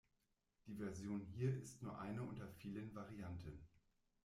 Die Version hier ist nur eine unter vielen Varianten.